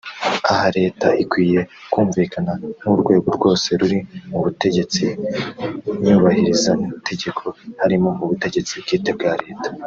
Aha Leta ikwiye kumvikana nk’ urwego rwose ruri mu butegetsi Nyubahirizategeko harimo ubutegetsi bwite bwa Leta